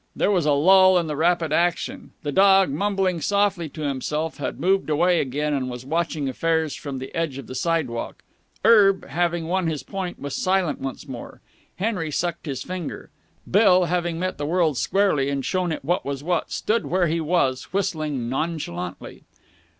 There was a lull in the rapid action. The dog, mumbling softly to himself, had moved away again and was watching affairs from the edge of the sidewalk. Erb, having won his point, was silent once more. Henry sucked his finger. Bill, having met the world squarely and shown it what was what, stood where he was, whistling nonchalantly.